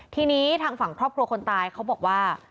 ทีนี้ทางฝั่งครอบครัวคนตายเขาบอกว่า